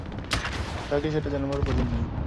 তাকে সেটা জানাবার প্রয়োজন নেই।